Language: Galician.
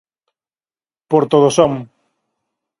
Porto do Son.